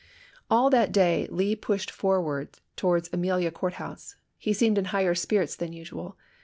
All that day Lee pushed forward towards Amelia Court House. He seemed in higher spirits than usual.